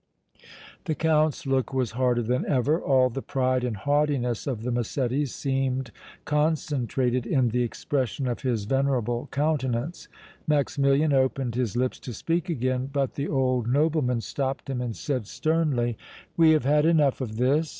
The Count's look was harder than ever; all the pride and haughtiness of the Massettis seemed concentrated in the expression of his venerable countenance. Maximilian opened his lips to speak again, but the old nobleman stopped him and said, sternly: "We have had enough of this!